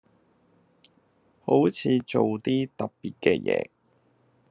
好似做啲特別嘅嘢